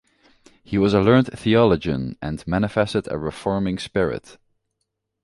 He was a learned theologian and manifested a reforming spirit.